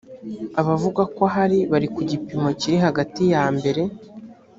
abavuga ko ahari bari ku gipimo kiri hagati ya mbere